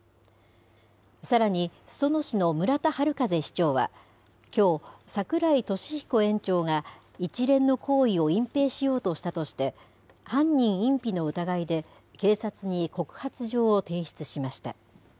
さらに、裾野市の村田悠市長はきょう、櫻井利彦園長が一連の行為を隠蔽しようとしたとして、犯人隠避の疑いで警察に告発状を提出しました。